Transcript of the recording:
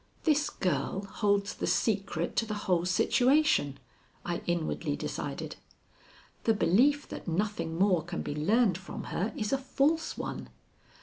"This girl holds the secret to the whole situation," I inwardly decided. "The belief that nothing more can be learned from her is a false one.